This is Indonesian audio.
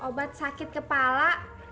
obat sakit kepala